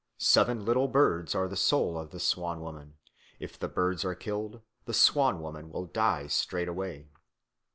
Seven little birds are the soul of the Swan woman; if the birds are killed the Swan woman will die straightway.